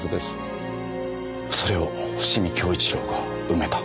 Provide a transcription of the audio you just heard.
それを伏見享一良が埋めた。